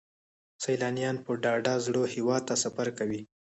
سیلانیان په ډاډه زړه هیواد ته سفر کوي.